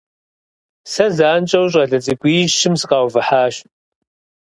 Сэ занщӀэу щӀалэ цӀыкӀуищым сыкъаувыхьащ.